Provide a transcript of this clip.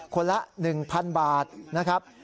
คนละ๑๐๐๐บาทนะครับ